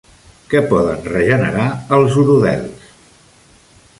Què poden regenerar els urodels?